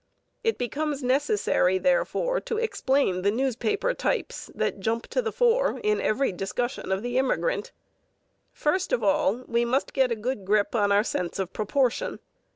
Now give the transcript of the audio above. It becomes necessary, therefore, to explain the newspaper types that jump to the fore in every discussion of the immigrant. First of all we must get a good grip on our sense of proportion.